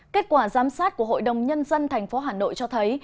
kết quả giám sát của hội đồng nhân dân tp hà nội cho thấy